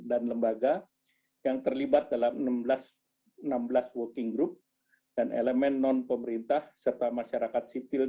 lembaga yang terlibat dalam enam belas working group dan elemen non pemerintah serta masyarakat sipil